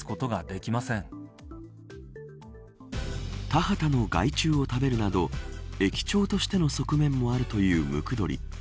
田畑の害虫を食べるなど益鳥としての側面もあるというムクドリ。